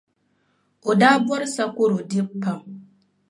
O daa bɔri sakɔro dibu pam.